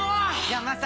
山里！